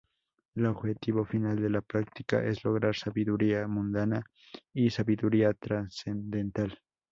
El objetivo final de la práctica es lograr sabiduría mundana y sabiduría trascendental.